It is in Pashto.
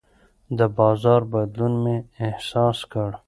د بازار بدلون مې احساس کړ.